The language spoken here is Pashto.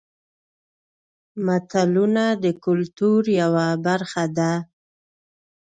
متلونه د کولتور یوه برخه ده